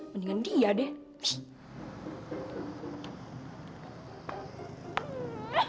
mendingan dia deh